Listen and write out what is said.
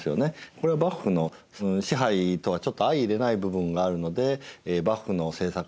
これは幕府の支配とはちょっと相いれない部分があるので幕府の政策はですね